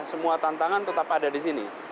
semua tantangan tetap ada di sini